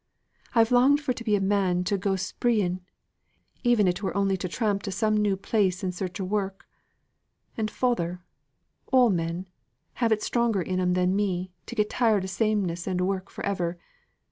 I've longed for to be a man to go spreeing, even if it were only a tramp to some new place in search o' work. And father all men have it stronger in 'em than me to get tired o' sameness and work for ever.